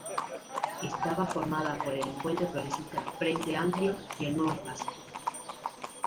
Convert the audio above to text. Estaba formada por el Encuentro Progresista-Frente Amplio y el Nuevo Espacio.